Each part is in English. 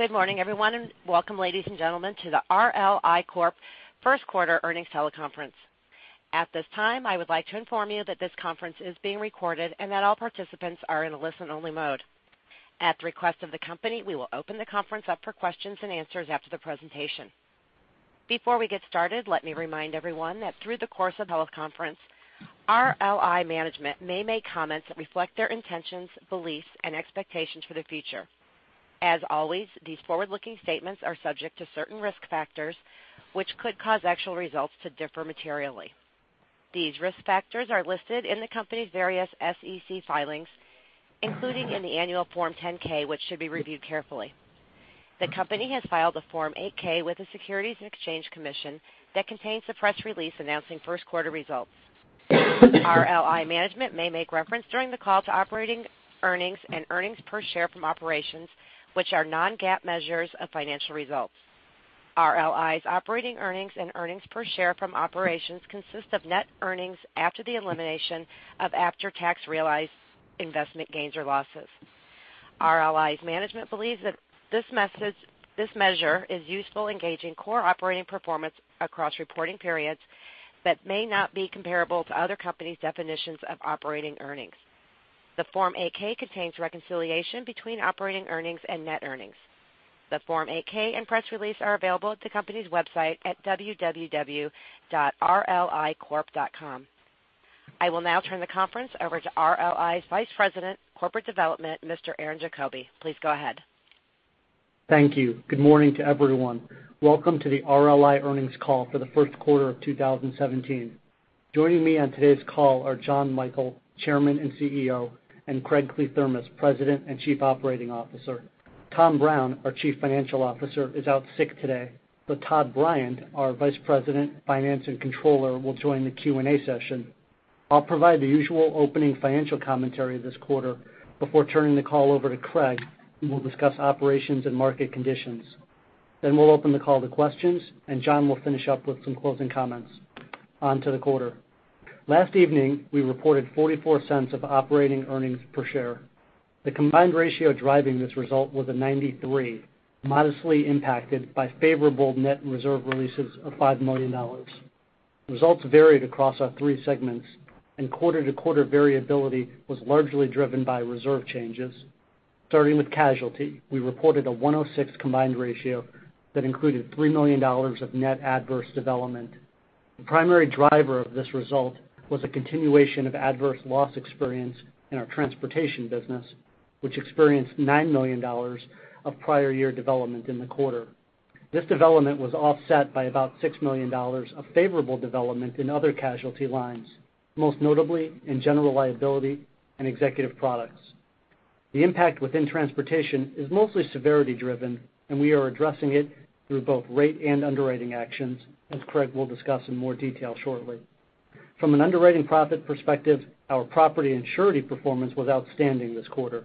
Good morning everyone. Welcome ladies and gentlemen, to the RLI Corp First Quarter Earnings Teleconference. At this time, I would like to inform you that this conference is being recorded and that all participants are in a listen-only mode. At the request of the company, we will open the conference up for questions and answers after the presentation. Before we get started, let me remind everyone that through the course of the teleconference, RLI management may make comments that reflect their intentions, beliefs, and expectations for the future. As always, these forward-looking statements are subject to certain risk factors, which could cause actual results to differ materially. These risk factors are listed in the company's various SEC filings, including in the annual Form 10-K, which should be reviewed carefully. The company has filed a Form 8-K with the Securities and Exchange Commission that contains the press release announcing first quarter results. RLI management may make reference during the call to operating earnings and earnings per share from operations, which are non-GAAP measures of financial results. RLI's operating earnings and earnings per share from operations consist of net earnings after the elimination of after-tax realized investment gains or losses. RLI's management believes that this measure is useful in gauging core operating performance across reporting periods that may not be comparable to other companies' definitions of operating earnings. The Form 8-K contains reconciliation between operating earnings and net earnings. The Form 8-K and press release are available at the company's website at www.rlicorp.com. I will now turn the conference over to RLI's Vice President, Corporate Development, Mr. Aaron Diefenthaler. Please go ahead. Thank you. Good morning to everyone. Welcome to the RLI earnings call for the first quarter of 2017. Joining me on today's call are Jon Michael, Chairman and CEO, and Craig Kliethermes, President and Chief Operating Officer. Tom Brown, our Chief Financial Officer, is out sick today, but Todd Bryant, our Vice President of Finance and Controller, will join the Q&A session. I'll provide the usual opening financial commentary this quarter before turning the call over to Craig, who will discuss operations and market conditions. We'll open the call to questions, and John will finish up with some closing comments. On to the quarter. Last evening, we reported $0.44 of operating earnings per share. The combined ratio driving this result was a 93, modestly impacted by favorable net reserve releases of $5 million. Results varied across our three segments, and quarter-to-quarter variability was largely driven by reserve changes. Starting with casualty, we reported a 106 combined ratio that included $3 million of net adverse development. The primary driver of this result was a continuation of adverse loss experience in our transportation business, which experienced $9 million of prior year development in the quarter. This development was offset by about $6 million of favorable development in other casualty lines, most notably in general liability and executive products. The impact within transportation is mostly severity driven, and we are addressing it through both rate and underwriting actions, as Craig will discuss in more detail shortly. From an underwriting profit perspective, our property and surety performance was outstanding this quarter.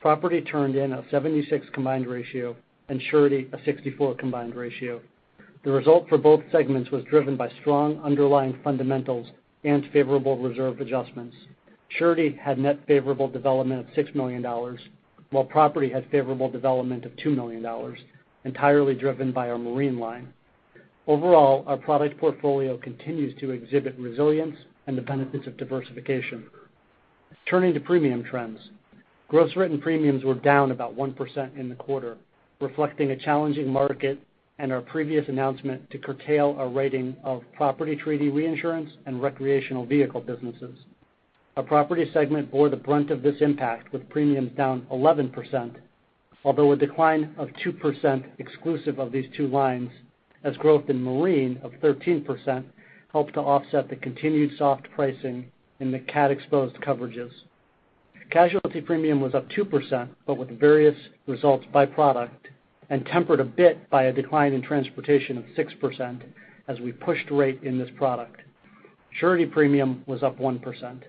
Property turned in a 76 combined ratio and surety a 64 combined ratio. The result for both segments was driven by strong underlying fundamentals and favorable reserve adjustments. Surety had net favorable development of $6 million, while property had favorable development of $2 million, entirely driven by our marine line. Overall, our product portfolio continues to exhibit resilience and the benefits of diversification. Turning to premium trends, gross written premiums were down about 1% in the quarter, reflecting a challenging market and our previous announcement to curtail our writing of property treaty reinsurance and recreational vehicle businesses. Our property segment bore the brunt of this impact with premiums down 11%, although a decline of 2% exclusive of these two lines as growth in marine of 13% helped to offset the continued soft pricing in the cat-exposed coverages. Casualty premium was up 2%, but with various results by product, and tempered a bit by a decline in transportation of 6% as we pushed rate in this product. Surety premium was up 1%.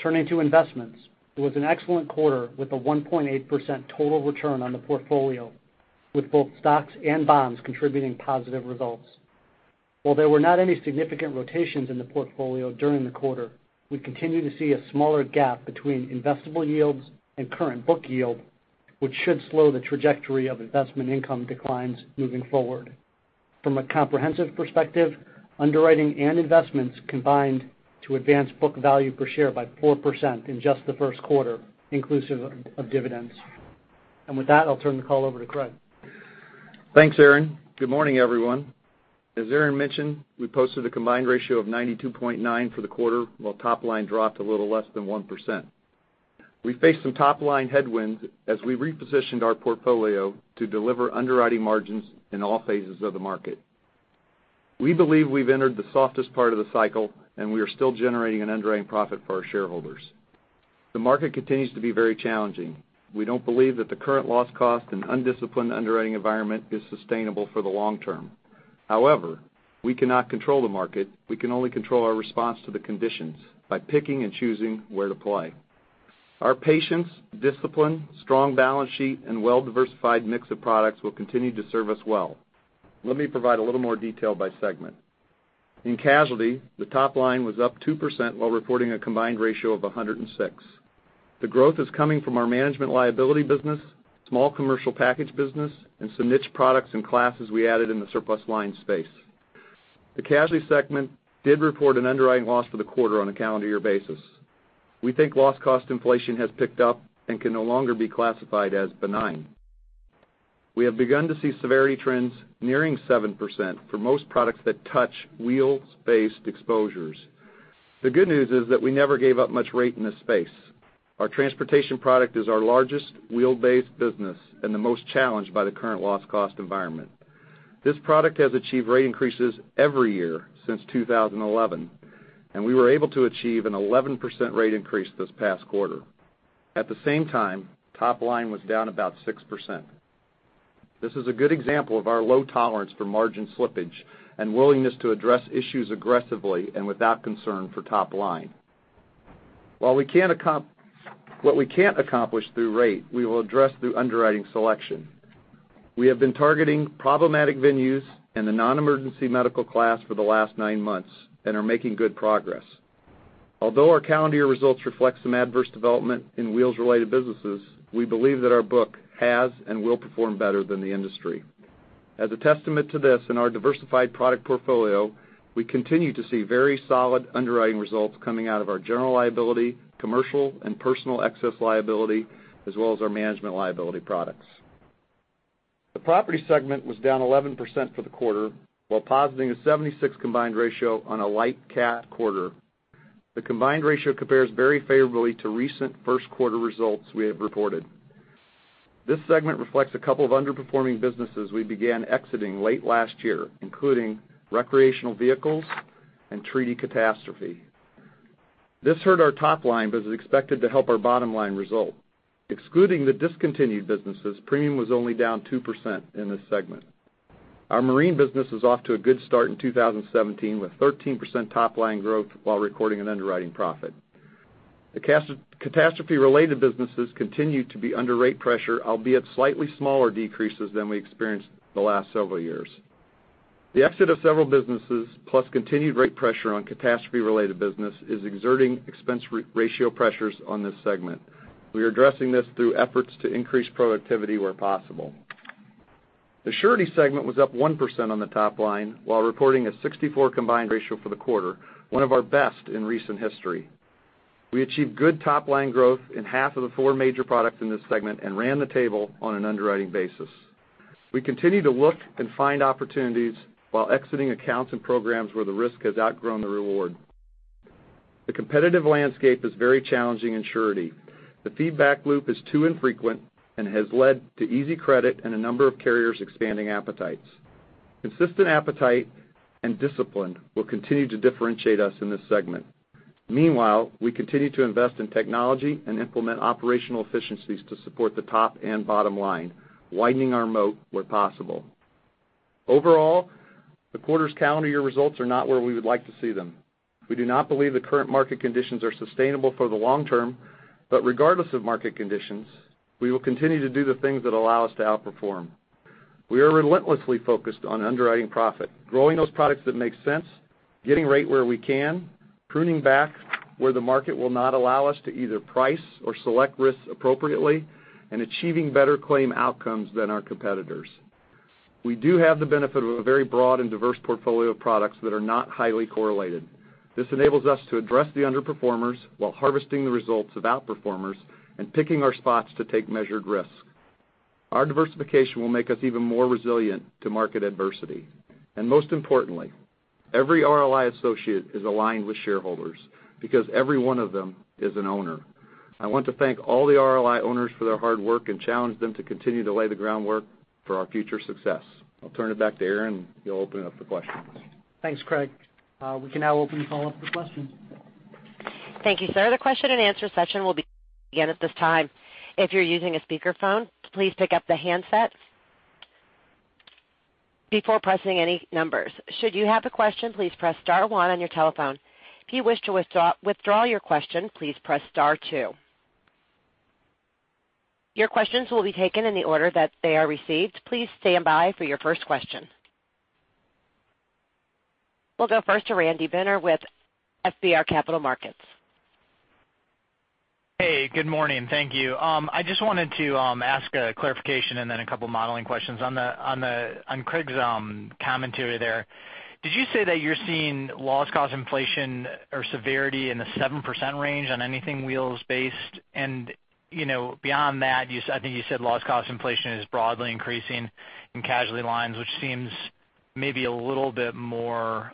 Turning to investments, it was an excellent quarter with a 1.8% total return on the portfolio, with both stocks and bonds contributing positive results. While there were not any significant rotations in the portfolio during the quarter, we continue to see a smaller gap between investable yields and current book yield, which should slow the trajectory of investment income declines moving forward. From a comprehensive perspective, underwriting and investments combined to advance book value per share by 4% in just the first quarter, inclusive of dividends. With that, I'll turn the call over to Craig. Thanks, Aaron. Good morning, everyone. As Aaron mentioned, we posted a combined ratio of 92.9 for the quarter, while top line dropped a little less than 1%. We faced some top-line headwinds as we repositioned our portfolio to deliver underwriting margins in all phases of the market. We believe we've entered the softest part of the cycle, and we are still generating an underwriting profit for our shareholders. The market continues to be very challenging. We don't believe that the current loss cost and undisciplined underwriting environment is sustainable for the long term. However, we cannot control the market. We can only control our response to the conditions by picking and choosing where to play. Our patience, discipline, strong balance sheet, and well-diversified mix of products will continue to serve us well. Let me provide a little more detail by segment. In casualty, the top line was up 2% while reporting a combined ratio of 106. The growth is coming from our management liability business, small commercial package business, and some niche products and classes we added in the surplus lines space. The casualty segment did report an underwriting loss for the quarter on a calendar year basis. We think loss cost inflation has picked up and can no longer be classified as benign. We have begun to see severity trends nearing 7% for most products that touch wheels-based exposures. The good news is that we never gave up much rate in this space. Our transportation product is our largest wheel-based business and the most challenged by the current loss cost environment. This product has achieved rate increases every year since 2011, and we were able to achieve an 11% rate increase this past quarter. At the same time, top line was down about 6%. This is a good example of our low tolerance for margin slippage and willingness to address issues aggressively and without concern for top line. What we can't accomplish through rate, we will address through underwriting selection. We have been targeting problematic venues and the non-emergency medical class for the last nine months and are making good progress. Although our calendar year results reflect some adverse development in wheels-related businesses, we believe that our book has and will perform better than the industry. As a testament to this and our diversified product portfolio, we continue to see very solid underwriting results coming out of our general liability, commercial and personal excess liability, as well as our management liability products. The property segment was down 11% for the quarter, while positing a 76 combined ratio on a light cat quarter. The combined ratio compares very favorably to recent first quarter results we have reported. This segment reflects a couple of underperforming businesses we began exiting late last year, including recreational vehicles and treaty catastrophe. This hurt our top line but is expected to help our bottom-line result. Excluding the discontinued businesses, premium was only down 2% in this segment. Our marine business is off to a good start in 2017 with 13% top-line growth while recording an underwriting profit. The catastrophe-related businesses continue to be under rate pressure, albeit slightly smaller decreases than we experienced the last several years. The exit of several businesses, plus continued rate pressure on catastrophe-related business, is exerting expense ratio pressures on this segment. We are addressing this through efforts to increase productivity where possible. The surety segment was up 1% on the top line while reporting a 64 combined ratio for the quarter, one of our best in recent history. We achieved good top-line growth in half of the four major products in this segment and ran the table on an underwriting basis. We continue to look and find opportunities while exiting accounts and programs where the risk has outgrown the reward. The competitive landscape is very challenging in surety. The feedback loop is too infrequent and has led to easy credit and a number of carriers expanding appetites. Consistent appetite and discipline will continue to differentiate us in this segment. Meanwhile, we continue to invest in technology and implement operational efficiencies to support the top and bottom line, widening our moat where possible. Overall, the quarter's calendar year results are not where we would like to see them. We do not believe the current market conditions are sustainable for the long term. Regardless of market conditions, we will continue to do the things that allow us to outperform. We are relentlessly focused on underwriting profit, growing those products that make sense, getting rate where we can, pruning back where the market will not allow us to either price or select risks appropriately, and achieving better claim outcomes than our competitors. We do have the benefit of a very broad and diverse portfolio of products that are not highly correlated. This enables us to address the underperformers while harvesting the results of outperformers and picking our spots to take measured risks. Our diversification will make us even more resilient to market adversity. Most importantly, every RLI associate is aligned with shareholders because every one of them is an owner. I want to thank all the RLI owners for their hard work and challenge them to continue to lay the groundwork for our future success. I'll turn it back to Aaron, who'll open up the questions. Thanks, Craig. We can now open the follow-up for questions. Thank you, sir. The question and answer session will begin again at this time. If you're using a speakerphone, please pick up the handset before pressing any numbers. Should you have a question, please press star 1 on your telephone. If you wish to withdraw your question, please press star 2. Your questions will be taken in the order that they are received. Please stand by for your first question. We'll go first to Randy Binner with FBR Capital Markets. Hey, good morning. Thank you. I just wanted to ask a clarification and then a couple modeling questions on Craig's commentary there. Did you say that you're seeing loss cost inflation or severity in the 7% range on anything wheels-based? Beyond that, I think you said loss cost inflation is broadly increasing in casualty lines, which seems maybe a little bit more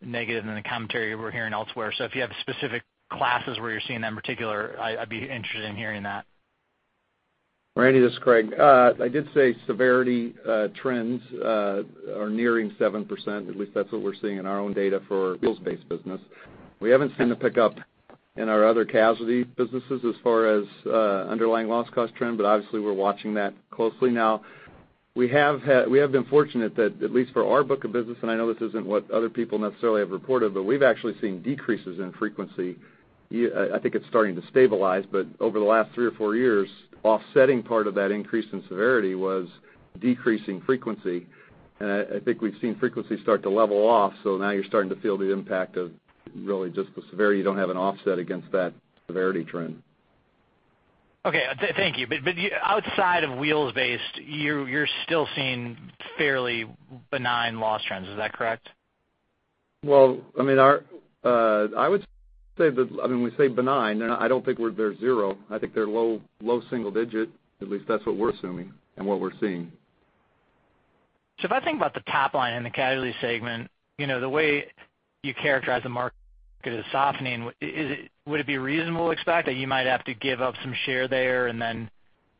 negative than the commentary we're hearing elsewhere. If you have specific classes where you're seeing that in particular, I'd be interested in hearing that. Randy, this is Craig. I did say severity trends are nearing 7%. At least that's what we're seeing in our own data for our wheels-based business. We haven't seen the pickup in our other casualty businesses as far as underlying loss cost trend, but obviously, we're watching that closely now. We have been fortunate that at least for our book of business, I know this isn't what other people necessarily have reported, we've actually seen decreases in frequency. I think it's starting to stabilize, but over the last three or four years, offsetting part of that increase in severity was decreasing frequency. I think we've seen frequency start to level off, now you're starting to feel the impact of really just the severity, you don't have an offset against that severity trend. Okay. Thank you. Outside of wheels-based, you're still seeing fairly benign loss trends. Is that correct? Well, when we say benign, I don't think they're zero. I think they're low single digit. At least that's what we're assuming and what we're seeing. If I think about the top line in the casualty segment, the way you characterize the market as softening, would it be reasonable to expect that you might have to give up some share there and then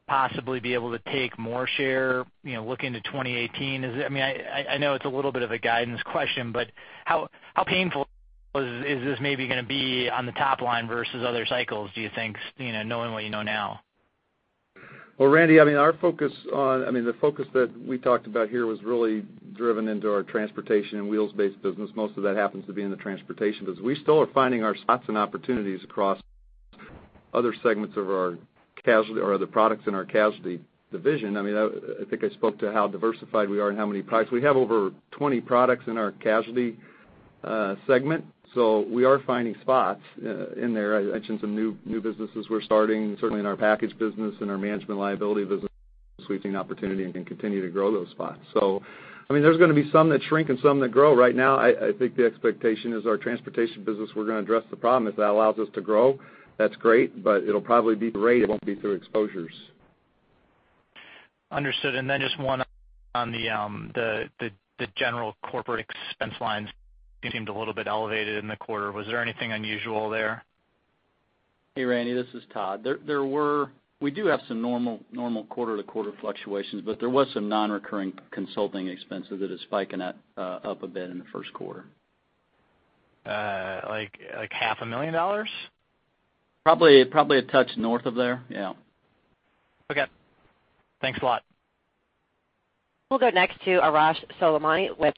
possibly be able to take more share, look into 2018? I know it's a little bit of a guidance question, how painful is this maybe going to be on the top line versus other cycles, do you think, knowing what you know now? Well, Randy, the focus that we talked about here was really driven into our transportation and wheels-based business. Most of that happens to be in the transportation business. We still are finding our spots and opportunities across other segments of our casualty or other products in our casualty division. I think I spoke to how diversified we are and how many products. We have over 20 products in our casualty segment. We are finding spots in there. I mentioned some new businesses we're starting, certainly in our package business and our Management Liability business, sweeping opportunity and can continue to grow those spots. There's going to be some that shrink and some that grow. Right now, I think the expectation is our transportation business, we're going to address the problem. If that allows us to grow, that's great, but it'll probably be rate, it won't be through exposures. Understood. Then just one on the general corporate expense lines. Seemed a little bit elevated in the quarter. Was there anything unusual there? Hey Randy, this is Todd. We do have some normal quarter-to-quarter fluctuations, but there was some non-recurring consulting expenses that is spiking up a bit in the first quarter. Like half a million dollars? Probably a touch north of there, yeah. Okay. Thanks a lot. We'll go next to Arash Soleimani with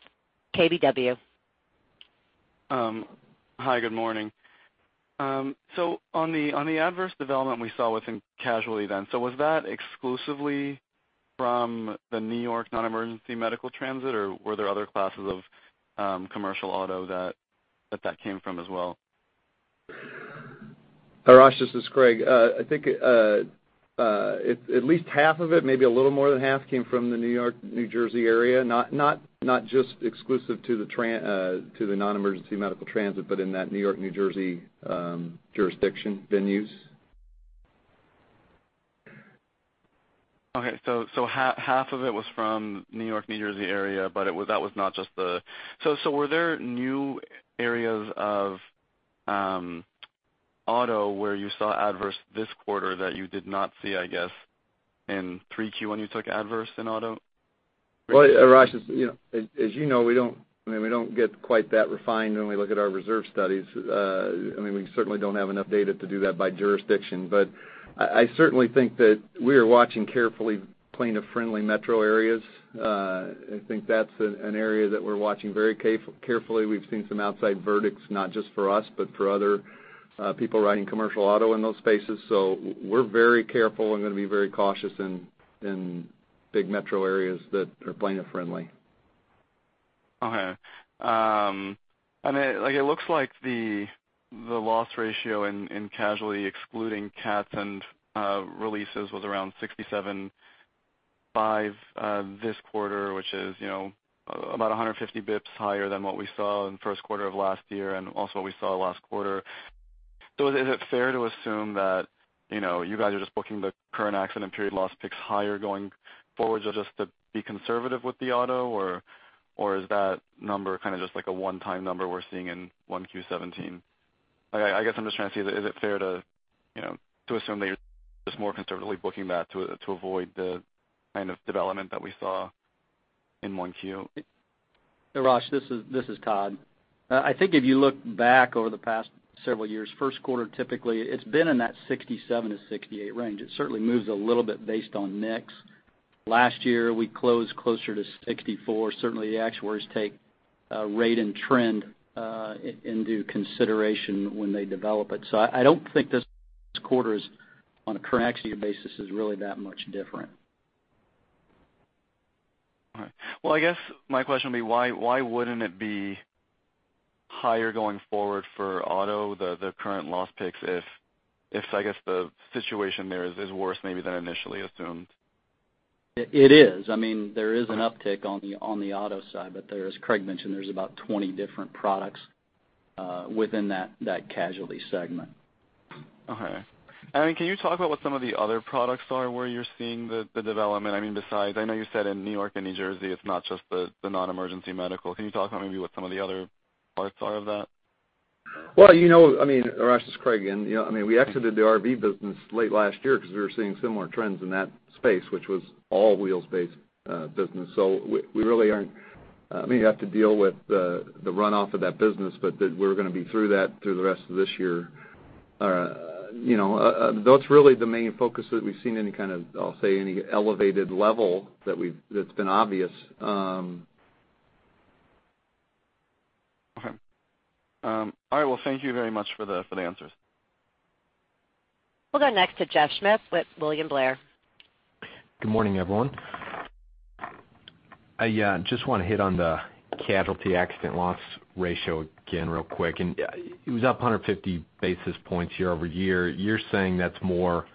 KBW. Hi, good morning. On the adverse development we saw within casualty then, was that exclusively from the N.Y. non-emergency medical transportation, or were there other classes of commercial auto that that came from as well? Arash, this is Craig. I think at least half of it, maybe a little more than half, came from the New York-New Jersey area. Not just exclusive to the non-emergency medical transportation, but in that New York-New Jersey jurisdiction venues. Okay. Half of it was from New York-New Jersey area, but that was not just. Were there new areas of auto where you saw adverse this quarter that you did not see, I guess, in 3Q when you took adverse in auto? Well, Arash, as you know, we don't get quite that refined when we look at our reserve studies. We certainly don't have enough data to do that by jurisdiction. I certainly think that we are watching carefully plaintiff-friendly metro areas. I think that's an area that we're watching very carefully. We've seen some outside verdicts, not just for us, but for other people riding commercial auto in those spaces. We're very careful and going to be very cautious in big metro areas that are plaintiff friendly. Okay. It looks like the loss ratio in casualty, excluding CATs and releases was around 67.5 this quarter, which is about 150 basis points higher than what we saw in the first quarter of last year and also what we saw last quarter. Is it fair to assume that you guys are just booking the current accident year loss picks higher going forward just to be conservative with the auto, or is that number kind of just like a one-time number we're seeing in 1Q17? I guess I'm just trying to see, is it fair to assume that you're just more conservatively booking that to avoid the kind of development that we saw in 1Q? Arash, this is Todd. I think if you look back over the past several years, first quarter, typically it's been in that 67-68 range. It certainly moves a little bit based on mix. Last year we closed closer to 64. Certainly the actuaries take rate and trend into consideration when they develop it. I don't think this quarter is, on a current accident basis, is really that much different. All right. Well, I guess my question would be why wouldn't it be higher going forward for auto, the current loss picks if, I guess the situation there is worse maybe than initially assumed? It is. There is an uptick on the auto side, but as Craig mentioned, there's about 20 different products within that casualty segment. Okay. Can you talk about what some of the other products are where you're seeing the development? Besides, I know you said in New York and New Jersey, it's not just the non-emergency medical. Can you talk about maybe what some of the other parts are of that? Well, Arash, it's Craig again. We exited the RV business late last year because we were seeing similar trends in that space, which was all wheels-based business. You have to deal with the runoff of that business, but we're going to be through that through the rest of this year. That's really the main focus that we've seen any kind of, I'll say any elevated level that's been obvious. Okay. All right. Well, thank you very much for the answers. We'll go next to Jeff Smith with William Blair. Good morning, everyone. I just want to hit on the casualty accident loss ratio again real quick. It was up 150 basis points year-over-year. You're saying that's more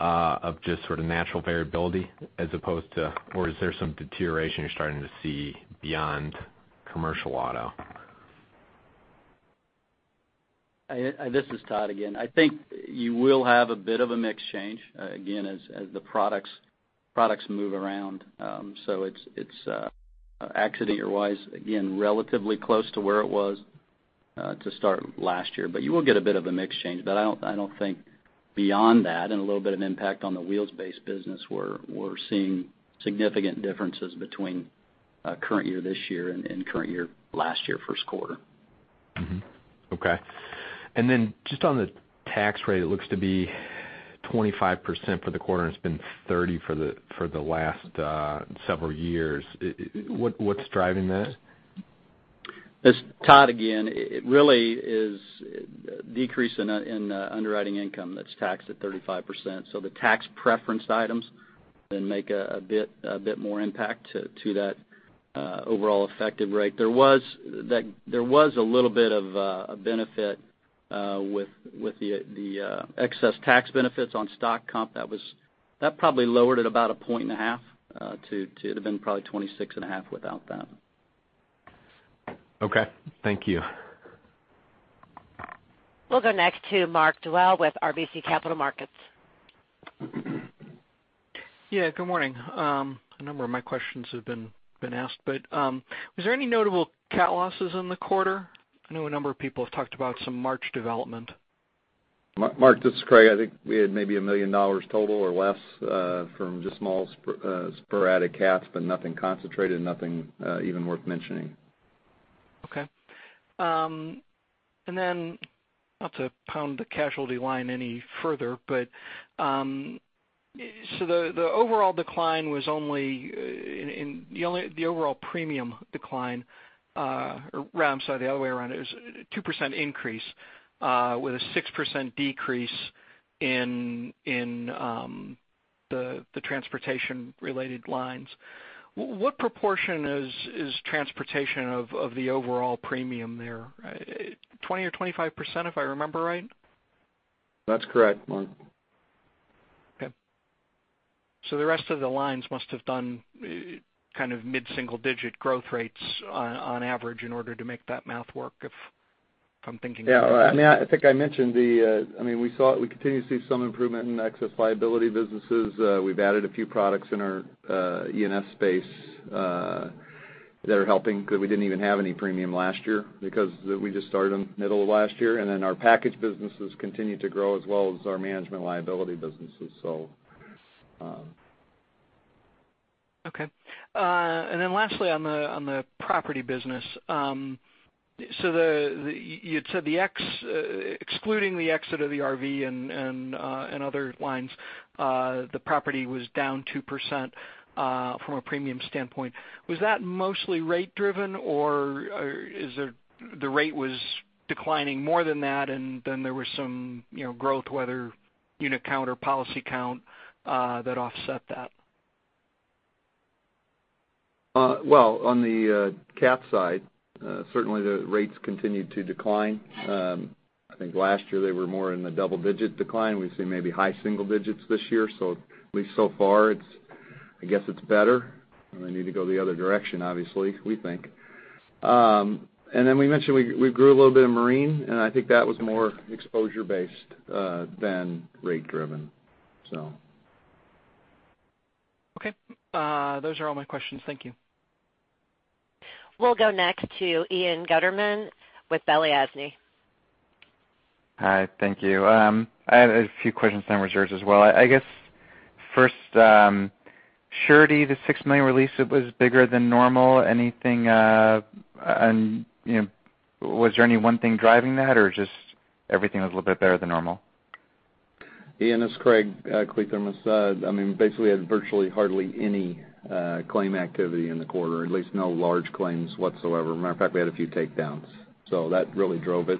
of just sort of natural variability as opposed to or is there some deterioration you're starting to see beyond commercial auto? This is Todd again. I think you will have a bit of a mix change, again, as the products move around. It's accident year-wise, again, relatively close to where it was to start last year. You will get a bit of a mix change. I don't think beyond that, and a little bit of impact on the wheels-based business, we're seeing significant differences between current year this year and current year last year first quarter. Mm-hmm. Okay. Then just on the tax rate, it looks to be 25% for the quarter, and it's been 30% for the last several years. What's driving that? This is Todd again. It really is decrease in underwriting income that's taxed at 35%. The tax preference items then make a bit more impact to that overall effective rate. There was a little bit of a benefit with the excess tax benefits on stock compensation. That probably lowered it about a point and a half to have been probably 26.5% without that. Okay. Thank you. We'll go next to Mark Dwelle with RBC Capital Markets. Yeah, good morning. A number of my questions have been asked, but was there any notable CAT losses in the quarter? I know a number of people have talked about some March development. Mark, this is Craig. I think we had maybe $1 million total or less from just small sporadic CATs, but nothing concentrated, nothing even worth mentioning. Okay. not to pound the casualty line any further, the overall premium decline, or I'm sorry, the other way around. It was 2% increase with a 6% decrease in the transportation related lines. What proportion is transportation of the overall premium there? 20% or 25%, if I remember right? That's correct, Mark. Okay. The rest of the lines must have done kind of mid-single digit growth rates on average in order to make that math work if I'm thinking- Yeah. I think I mentioned, we continue to see some improvement in excess liability businesses. We've added a few products in our E&S space that are helping because we didn't even have any premium last year because we just started in the middle of last year. Our package businesses continue to grow as well as our management liability businesses. Okay. Lastly on the property business. You'd said excluding the exit of the RV and other lines, the property was down 2% from a premium standpoint. Was that mostly rate driven, or the rate was declining more than that and then there was some growth, whether unit count or policy count that offset that? Well, on the cat side, certainly the rates continued to decline. I think last year they were more in the double digit decline. We've seen maybe high single digits this year. At least so far, I guess it's better. They need to go the other direction, obviously, we think. We mentioned we grew a little bit of marine, and I think that was more exposure based than rate driven, so. Okay. Those are all my questions. Thank you. We'll go next to Ian Gutterman with Balyasny. Hi. Thank you. I have a few questions, same as yours as well. I guess first, Surety, the $6 million release, it was bigger than normal. Was there any one thing driving that or just everything was a little bit better than normal? Ian, it's Craig Kliethermes. I mean, basically had virtually hardly any claim activity in the quarter, at least no large claims whatsoever. Matter of fact, we had a few takedowns. That really drove it.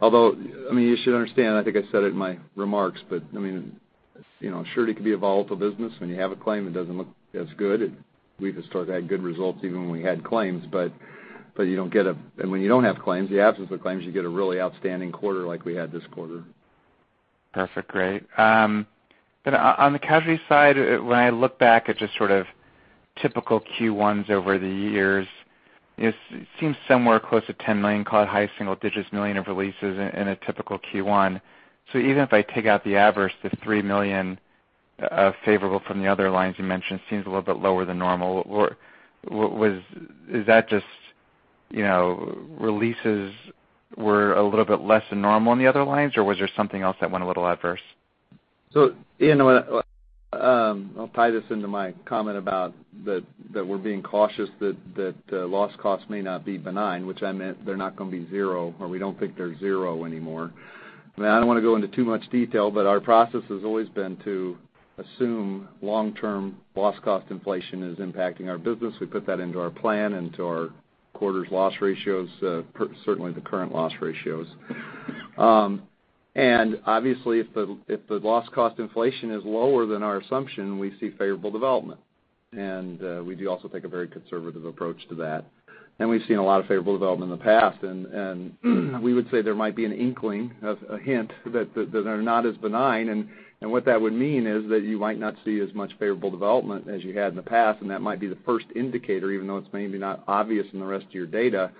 Although, you should understand, I think I said it in my remarks, Surety can be a volatile business. When you have a claim, it doesn't look as good. We've historically had good results even when we had claims, when you don't have claims, the absence of claims, you get a really outstanding quarter like we had this quarter. Perfect. Great. On the casualty side, when I look back at just sort of typical Q1s over the years, it seems somewhere close to $10 million, call it high single digits million of releases in a typical Q1. Even if I take out the adverse, the $3 million favorable from the other lines you mentioned seems a little bit lower than normal. Is that just releases were a little bit less than normal in the other lines, or was there something else that went a little adverse? Ian, I'll tie this into my comment about that we're being cautious that loss costs may not be benign, which I meant they're not going to be zero, or we don't think they're zero anymore. I don't want to go into too much detail. Our process has always been to assume long-term loss cost inflation is impacting our business. We put that into our plan, into our quarter's loss ratios, certainly the current loss ratios. Obviously, if the loss cost inflation is lower than our assumption, we see favorable development. We do also take a very conservative approach to that. We've seen a lot of favorable development in the past, we would say there might be an inkling, a hint, that they're not as benign, what that would mean is that you might not see as much favorable development as you had in the past, that might be the first indicator, even though it's maybe not obvious in the rest of your data,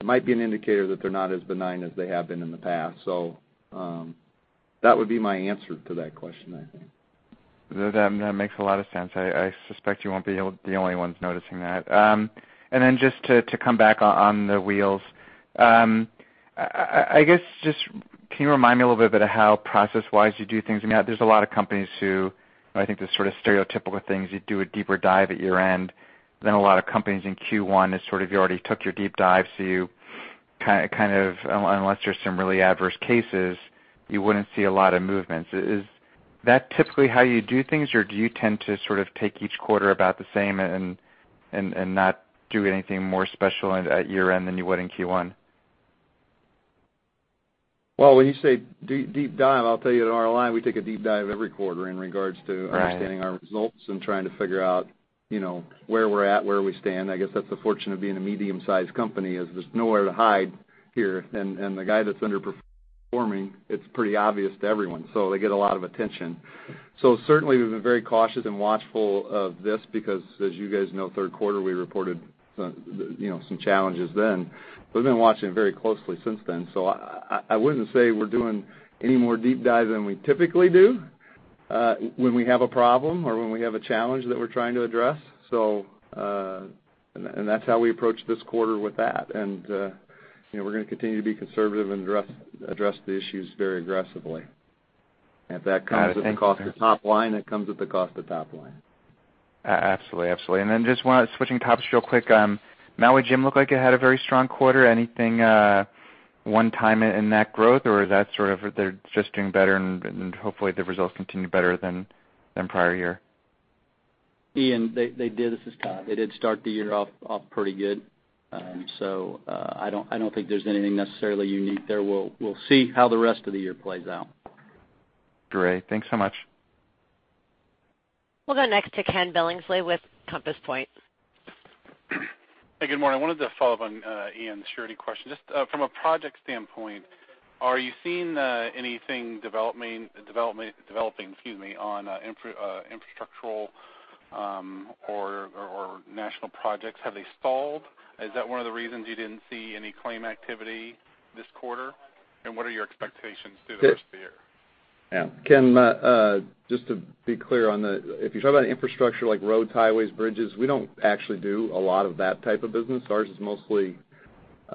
it might be an indicator that they're not as benign as they have been in the past. That would be my answer to that question, I think. That makes a lot of sense. I suspect you won't be the only ones noticing that. Then just to come back on the wheels. Can you remind me a little bit about how, process-wise, you do things? There's a lot of companies who, I think the sort of stereotypical things, you do a deeper dive at your end, then a lot of companies in Q1 is sort of you already took your deep dive, so unless there's some really adverse cases, you wouldn't see a lot of movements. Is that typically how you do things, or do you tend to sort of take each quarter about the same and not do anything more special at year-end than you would in Q1? When you say deep dive, I'll tell you at RLI, we take a deep dive every quarter in regards to Right understanding our results and trying to figure out where we're at, where we stand. I guess that's the fortune of being a medium-sized company, is there's nowhere to hide here. The guy that's underperforming, it's pretty obvious to everyone, so they get a lot of attention. Certainly, we've been very cautious and watchful of this because, as you guys know, third quarter, we reported some challenges then. We've been watching it very closely since then. I wouldn't say we're doing any more deep dive than we typically do when we have a problem or when we have a challenge that we're trying to address. That's how we approached this quarter with that, we're going to continue to be conservative and address the issues very aggressively. If that comes Got it. Thank you at the cost of top line, it comes at the cost of top line. Absolutely. Just switching topics real quick. Maui Jim looked like it had a very strong quarter. Anything one-time in that growth, or they're just doing better and hopefully the results continue better than prior year? Ian, they did. This is Todd. They did start the year off pretty good. I don't think there's anything necessarily unique there. We'll see how the rest of the year plays out. Great. Thanks so much. We'll go next to Ken Billingsley with Compass Point. Hey, good morning. I wanted to follow up on Ian's surety question. Just from a project standpoint, are you seeing anything developing on infrastructural or national projects? Have they stalled? Is that one of the reasons you didn't see any claim activity this quarter? What are your expectations through the rest of the year? Yeah. Ken, just to be clear, if you're talking about infrastructure like roads, highways, bridges, we don't actually do a lot of that type of business. Ours is mostly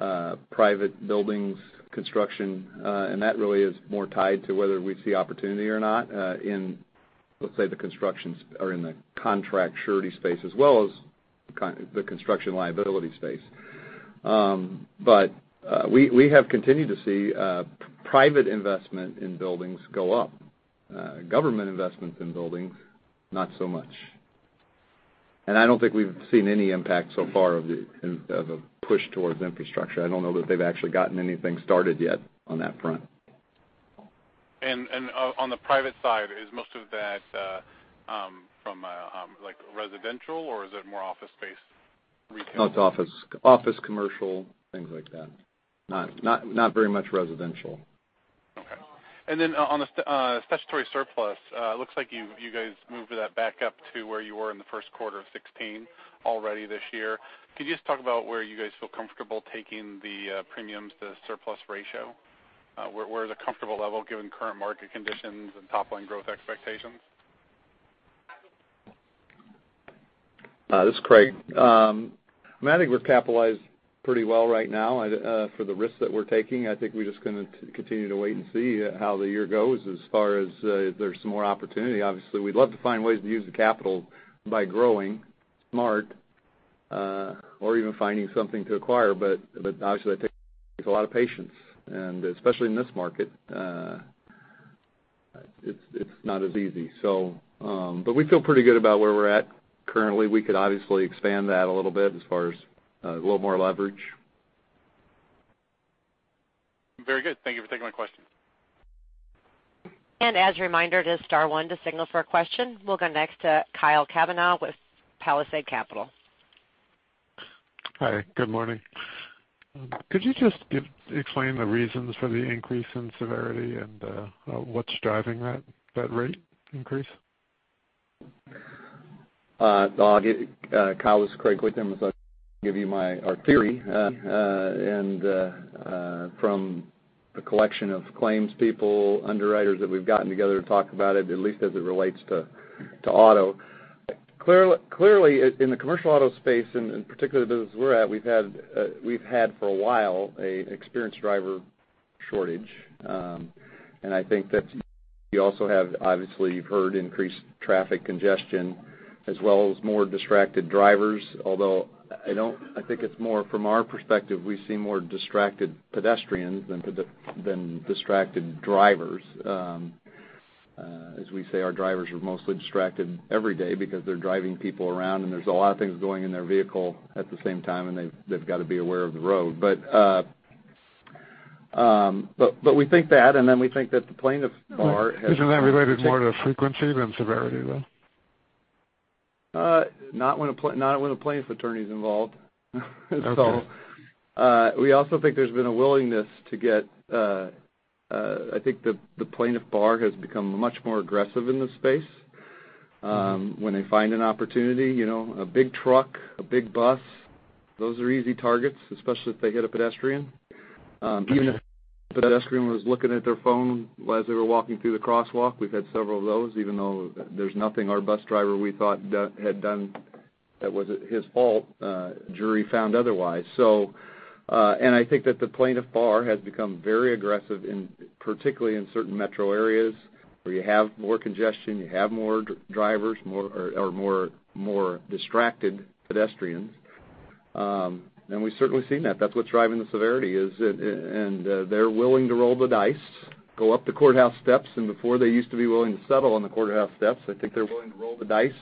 private buildings construction, and that really is more tied to whether we see opportunity or not in, let's say, the constructions or in the contract surety space, as well as the construction liability space. We have continued to see private investment in buildings go up. Government investments in buildings, not so much. I don't think we've seen any impact so far of a push towards infrastructure. I don't know that they've actually gotten anything started yet on that front. On the private side, is most of that from residential, or is it more office space, retail? No, it's office, commercial, things like that. Not very much residential. Okay. On the statutory surplus, looks like you guys moved that back up to where you were in the first quarter of 2016 already this year. Could you just talk about where you guys feel comfortable taking the premium-to-surplus ratio? Where is a comfortable level given current market conditions and top line growth expectations? This is Craig. I think we're capitalized pretty well right now for the risks that we're taking. I think we're just going to continue to wait and see how the year goes as far as if there's some more opportunity. Obviously, we'd love to find ways to use the capital by growing smart or even finding something to acquire. Obviously, that takes a lot of patience, and especially in this market, it's not as easy. We feel pretty good about where we're at currently. We could obviously expand that a little bit as far as a little more leverage. Very good. Thank you for taking my question. As a reminder, it is star one to signal for a question. We'll go next to Kyle Kavanaugh with Palisade Capital. Hi, good morning. Could you just explain the reasons for the increase in severity and what's driving that rate increase? Kyle, this is Craig Kliethermes. I'll give you our theory, and from the collection of claims people, underwriters that we've gotten together to talk about it, at least as it relates to auto. Clearly, in the commercial auto space, and particularly the business we're at, we've had for a while an experienced driver shortage. I think that you also have, obviously, you've heard increased traffic congestion as well as more distracted drivers. Although I think it's more from our perspective, we see more distracted pedestrians than distracted drivers. As we say, our drivers are mostly distracted every day because they're driving people around, and there's a lot of things going in their vehicle at the same time, and they've got to be aware of the road. We think that, and then we think that the plaintiff bar has- Isn't that related more to frequency than severity, though? Not when a plaintiff attorney's involved. Okay. We also think there's been a willingness. I think the plaintiff bar has become much more aggressive in this space. When they find an opportunity, a big truck, a big bus, those are easy targets, especially if they hit a pedestrian. Even if the pedestrian was looking at their phone as they were walking through the crosswalk, we've had several of those, even though there's nothing our bus driver, we thought, had done that was his fault, jury found otherwise. I think that the plaintiff bar has become very aggressive, particularly in certain metro areas where you have more congestion, you have more drivers, or more distracted pedestrians. We've certainly seen that. That's what's driving the severity is, and they're willing to roll the dice, go up the courthouse steps, and before they used to be willing to settle on the courthouse steps. I think they're willing to roll the dice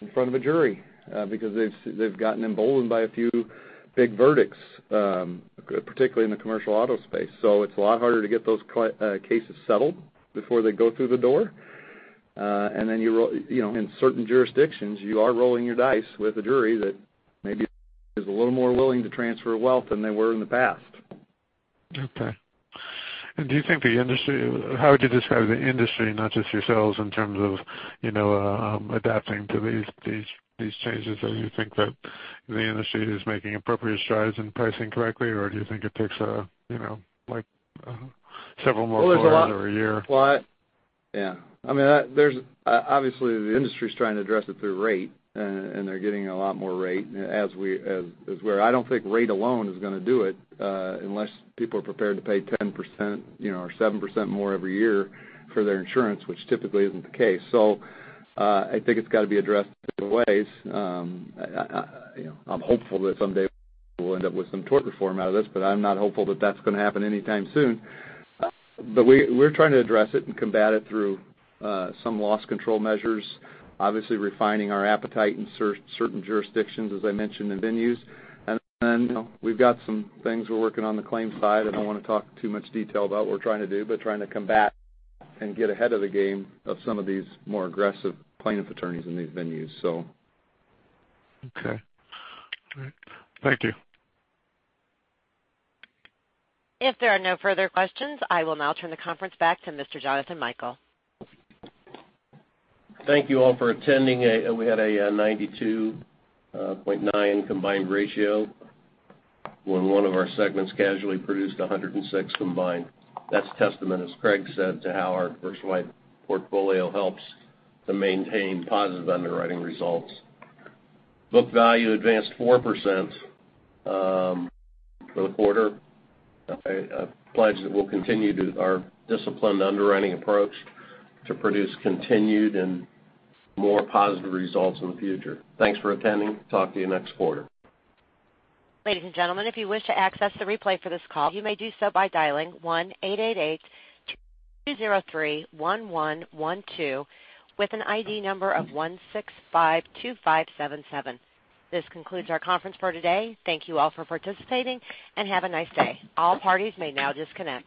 in front of a jury because they've gotten emboldened by a few big verdicts, particularly in the commercial auto space. It's a lot harder to get those cases settled before they go through the door. In certain jurisdictions, you are rolling your dice with a jury that maybe is a little more willing to transfer wealth than they were in the past. Okay. How would you describe the industry, not just yourselves, in terms of adapting to these changes? Do you think that the industry is making appropriate strides in pricing correctly, or do you think it takes several more quarters- Well, there's a lot- or a year? Yeah. Obviously, the industry's trying to address it through rate, and they're getting a lot more rate. I don't think rate alone is going to do it unless people are prepared to pay 10% or 7% more every year for their insurance, which typically isn't the case. I think it's got to be addressed in ways. I'm hopeful that someday we'll end up with some tort reform out of this, but I'm not hopeful that that's going to happen anytime soon. We're trying to address it and combat it through some loss control measures, obviously refining our appetite in certain jurisdictions, as I mentioned, and venues. We've got some things we're working on the claims side. I don't want to talk too much detail about what we're trying to do, trying to combat and get ahead of the game of some of these more aggressive plaintiff attorneys in these venues. Okay. All right. Thank you. If there are no further questions, I will now turn the conference back to Mr. Jonathan Michael. Thank you all for attending. We had a 92.9 combined ratio when one of our segments casualty produced 106 combined. That's testament, as Craig said, to how our diversified portfolio helps to maintain positive underwriting results. Book value advanced 4% for the quarter. I pledge that we'll continue our disciplined underwriting approach to produce continued and more positive results in the future. Thanks for attending. Talk to you next quarter. Ladies and gentlemen, if you wish to access the replay for this call, you may do so by dialing 1-888-203-1112 with an ID number of 1652577. This concludes our conference for today. Thank you all for participating, and have a nice day. All parties may now disconnect.